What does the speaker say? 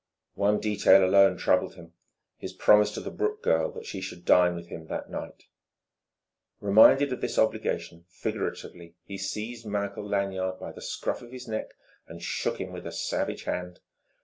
One detail alone troubled him, his promise to the Brooke girl that she should dine with him that night. Reminded of this obligation, figuratively he seized Michael Lanyard by the scruff of his neck and shook him with a savage hand.